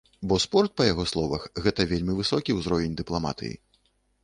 Бо спорт, па яго словах, гэта вельмі высокі ўзровень дыпламатыі.